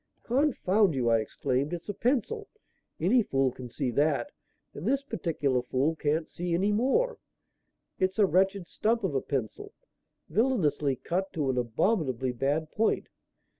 "Confound you!" I exclaimed. "It's a pencil. Any fool can see that, and this particular fool can't see any more. It's a wretched stump of a pencil, villainously cut to an abominably bad point.